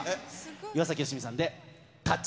岩崎良美さんで、タッチ。